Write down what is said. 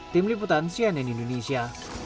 tim liputan cnn indonesia